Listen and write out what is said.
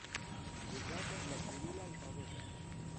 Uzatas la cirila alfabeto.